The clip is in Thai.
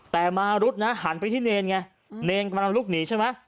แต่มารุดนะหันไปที่เนรไงเนรกำลังลุกหนีใช่ไหม